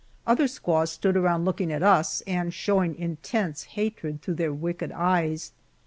Other squaws stood around looking at us, and showing intense hatred through their wicked eyes.